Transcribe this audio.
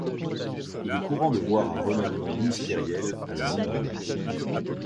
Il est courant de voir un remaniement ministériel à la mi-mandat.